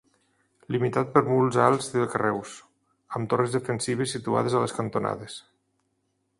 Limitat per murs alts de carreus, amb torres defensives situades a les cantonades.